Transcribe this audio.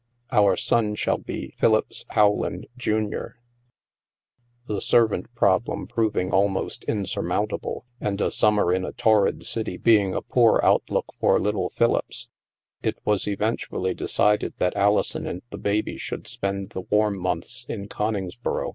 Our son shall be Philippse Rowland, Jimior." The servant problem proving almost insurmount able, and a summer in a torrid city being a poor outlook for little Philippse, it was eventually de cided that Alison and the baby should spend the warm months in Coningsboro.